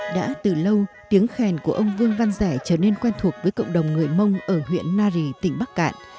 đã từ lâu tiếng khen của ông vương văn rẻ trở nên quen thuộc với cộng đồng người mông ở huyện nari tỉnh bắc cạn